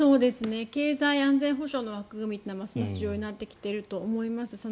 経済安全保障の枠組みというのはますます重要になってきていると思います。